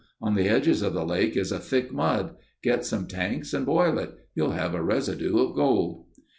On the edges of the lake is a thick mud. Get some tanks and boil it. You'll have a residue of gold."